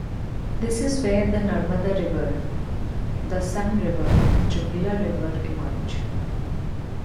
This is where the Narmada River, the Son River and Johila River emerge.